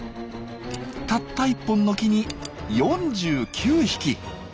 たった１本の木に４９匹。